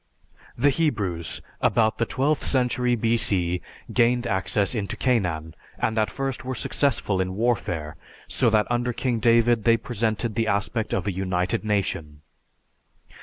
The Hebrews, about the twelfth century B.C., gained access into Canaan, and at first were successful in warfare, so that under King David they presented the aspect of a united nation.